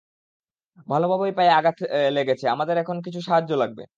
ভালোভাবেই পায়ে আঘাত লেগেছে আমাদের এখন কিছু সাহায্য লাগবে।